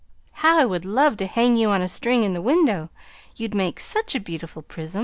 How I would love to hang you on a string in the window you'd make such a beautiful prism!'